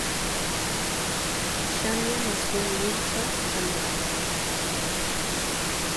Shania nació en Windsor, Canadá.